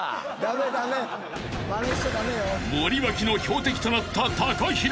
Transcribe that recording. ［森脇の標的となったＴＡＫＡＨＩＲＯ］